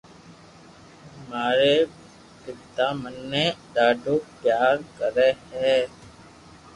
مارو پيتا مني ڌاڌو پيار ڪري ھي